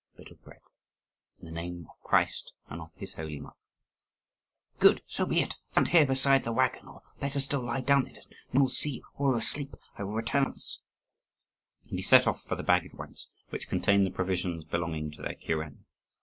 "A bit of bread, in the name of Christ and of His holy mother!" "Good, so be it. Stand here beside the waggon, or, better still, lie down in it: no one will see you, all are asleep. I will return at once." And he set off for the baggage waggons, which contained the provisions belonging to their kuren.